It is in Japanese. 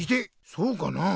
そうかなあ。